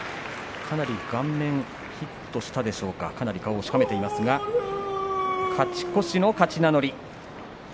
かなり顔面ヒットしたでしょうか顔をしかめていますが勝ち越しの勝ち名乗り。